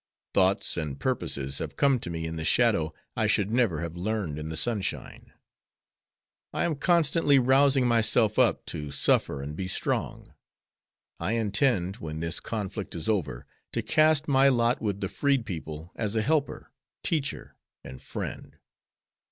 Thoughts and purposes have come to me in the shadow I should never have learned in the sunshine. I am constantly rousing myself up to suffer and be strong. I intend, when this conflict is over, to cast my lot with the freed people as a helper, teacher, and friend.